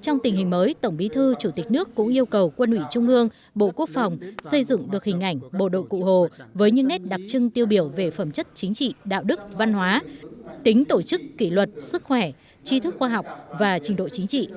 trong tình hình mới tổng bí thư chủ tịch nước cũng yêu cầu quân ủy trung ương bộ quốc phòng xây dựng được hình ảnh bộ đội cụ hồ với những nét đặc trưng tiêu biểu về phẩm chất chính trị đạo đức văn hóa tính tổ chức kỷ luật sức khỏe chi thức khoa học và trình độ chính trị